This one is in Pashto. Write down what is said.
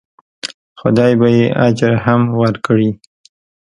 خدای به یې اجر هم ورکړي.